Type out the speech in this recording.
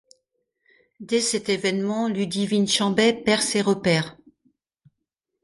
Dès cet événement, Ludivine Chambet perd ses repères.